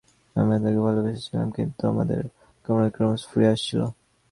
আমিও তাকে ভালবেসেছিলাম, কিন্তু আমাদের কামতাড়না ক্রমশ ফুরিয়ে আসছিল।